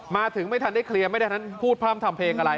มาถึงไม่ทันได้เคลียร์ไม่ทันพูดพร่ำทำเพลงอะไร